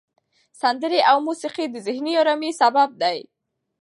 سندرې او موسیقي د ذهني آرامۍ سبب دي.